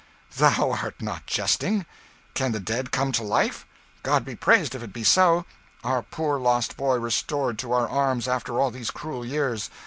thou art not jesting? can the dead come to life? God be praised if it be so! Our poor lost boy restored to our arms after all these cruel years!